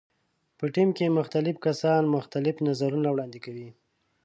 په ټیم کې مختلف کسان مختلف نظرونه وړاندې کوي.